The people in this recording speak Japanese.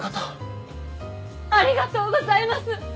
ありがとうございます！